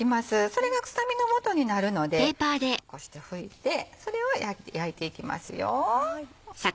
それが臭みの元になるのでちょっとこうして拭いてそれを焼いていきます。